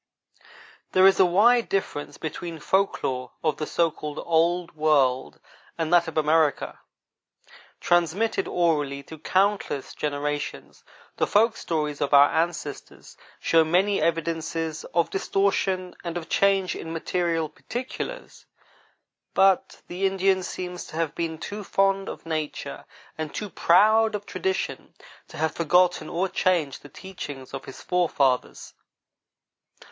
There is a wide difference between folk lore of the so called Old World and that of America. Transmitted orally through countless generations, the folk stories of our ancestors show many evidences of distortion and of change in material particulars; but the Indian seems to have been too fond of nature and too proud of tradition to have forgotten or changed the teachings of his forefathers.